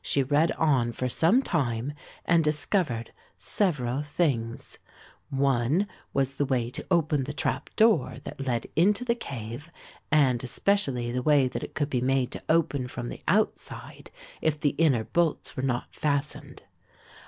She read on for some time and discovered several things, one was the way to open the trap door that led into the cave and especially the way that it could be made to open from the outside if the inner bolts were not fastened.